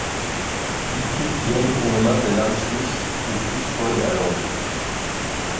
Il quitte Vienne au moment de l'Anschluss et suit Freud à Londres.